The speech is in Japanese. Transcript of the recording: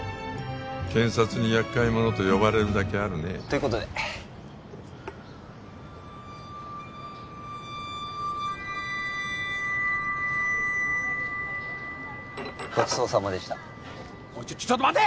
検察に「厄介者」と呼ばれるだけあるねということでごちそうさまでした・おいちょっと待て！